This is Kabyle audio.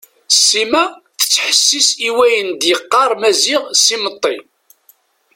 Sima tettḥessis i wayen d-yeqqar Maziɣ s imeṭṭi.